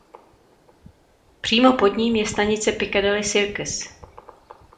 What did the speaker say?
Přímo pod ním je stanice metra "Piccadilly Circus".